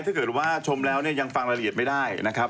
ถ้าเกิดว่าชมแล้วเนี่ยยังฟังรายละเอียดไม่ได้นะครับ